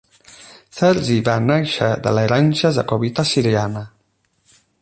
Sergi va néixer de l'herència jacobita siriana.